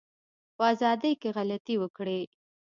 په ازادی کی غلطي وکړی